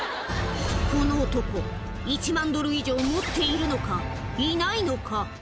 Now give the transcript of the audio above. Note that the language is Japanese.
この男、１万ドル以上持っているのか、いないのか。